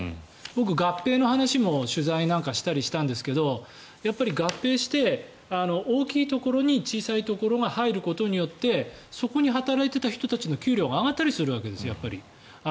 僕、合併の話も取材なんかしたりしたんですが合併して大きいところに小さいところが入ることによってそこに働いていた人たちの給料が上がったりするわけです。